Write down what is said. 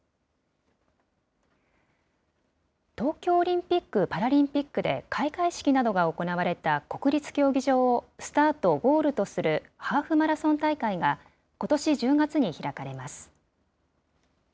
東京オリンピック・パラリンピックで開会式などが行われた国立競技場をスタート、ゴールとするハーフマラソン大会が、ことし１０月に開かれます。